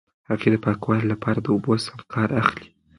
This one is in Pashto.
هغې د پاکوالي لپاره د اوبو سم کار اخلي.